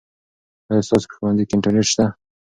آیا ستاسو په ښوونځي کې انټرنیټ شته؟